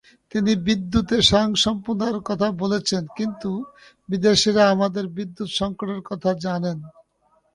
তিনি বিদ্যুতে স্বয়ংসম্পূর্ণতার কথা বলেছেন, কিন্তু বিদেশিরা আমাদের বিদ্যুৎ-সংকটের কথা জানেন।